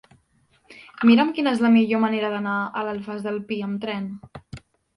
Mira'm quina és la millor manera d'anar a l'Alfàs del Pi amb tren.